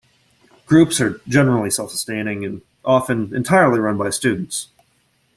Groups are generally self-sustaining and often entirely run by students.